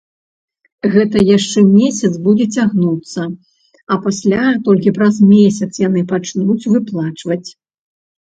Гэта яшчэ месяц будзе цягнуцца, а пасля толькі праз месяц яны пачнуць выплачваць.